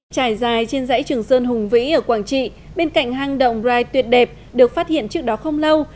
trải dài trên dãy trường sơn hùng vĩ ở quảng trị bên cạnh hang động right tuyệt đẹp được phát hiện trước đó không lâu